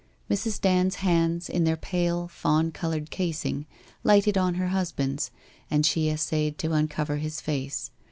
... Mrs. Dand's hands in their pale fawn coloured casing, lighted on her husband's, and she essayed to uncover his face.